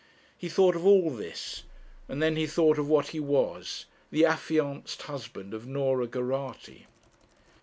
He thought of all this, and then he thought of what he was the affianced husband of Norah Geraghty!